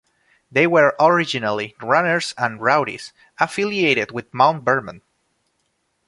They were originally runners and rowdies affiliated with Mount Vernon.